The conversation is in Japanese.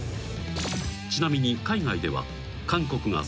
［ちなみに海外では］